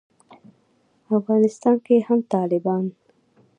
افغانستان کې هم طالبان